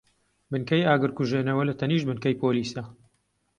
بنکەی ئاگرکوژێنەوە لەتەنیشت بنکەی پۆلیسە.